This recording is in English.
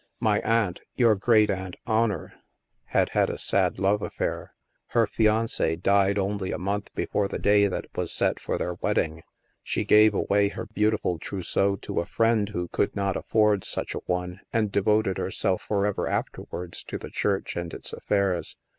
My aunt — STILL WATERS 21 your great aunt Honor — had had a sad love affair. Her fiance died only a month before the day that was set for their wedding. She gave away her beautiful trousseau to a friend who could not afford such a one and devoted herself forever afterwards to the Church and its affairs.